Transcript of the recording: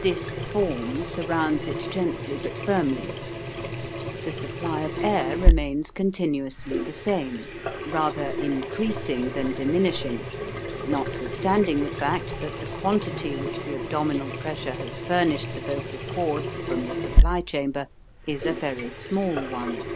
This form surrounds it gently but firmly. The supply of air remains continuously the same, rather increasing than diminishing, notwithstanding the fact that the quantity which the abdominal pressure has furnished the vocal cords from the supply chamber is a very small one.